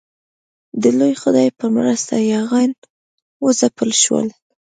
د لوی خدای په مرسته یاغیان وځپل شول.